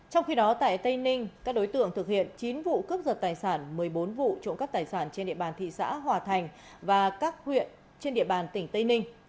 trong khi đó tại tây ninh các đối tượng thực hiện chín vụ cướp giật tài sản một mươi bốn vụ trộm cắp tài sản trên địa bàn thị xã hòa thành và các huyện trên địa bàn tỉnh tây ninh